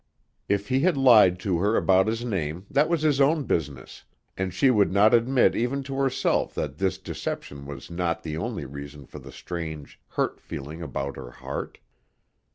If he had lied to her about his name that was his own business, and she would not admit even to herself that this deception was not the only reason for the strange, hurt feeling about her heart.